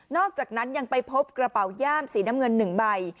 อกจากนั้นยังไปพบกระเป๋าย่ามสีน้ำเงิน๑ใบ